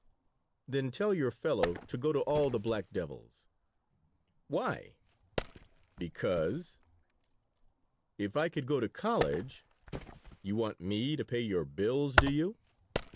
Then tell your fellow to go to all the black devils." "Why?" "Because." "If I could go to college " "You want me to pay your bills, do you?"